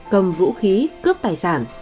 cầm vũ khí cướp tài sản